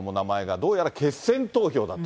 どうやら決選投票だと。